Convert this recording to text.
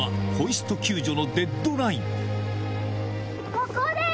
ここです！